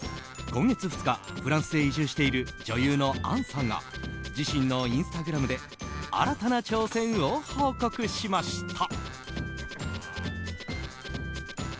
今月２日フランスへ移住している女優の杏さんが自身のインスタグラムで新たな挑戦を報告しました。